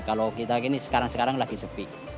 kalau kita gini sekarang sekarang lagi sepi